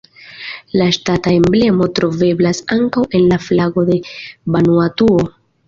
La ŝtata emblemo troveblas ankaŭ en la flago de Vanuatuo.